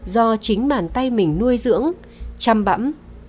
do chính bàn tay mình nuôi dưỡng chăm bẫm